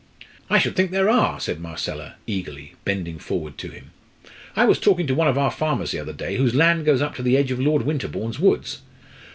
"I should think there are!" said Marcella, eagerly, bending forward to him. "I was talking to one of our farmers the other day whose land goes up to the edge of Lord Winterbourne's woods.